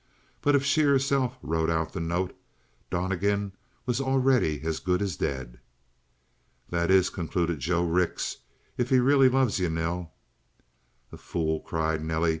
But if she herself wrote out the note, Donnegan was already as good as dead. "That is," concluded Joe Rix, "if he really loves you, Nell." "The fool!" cried Nelly.